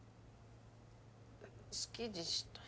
好きでしたよ。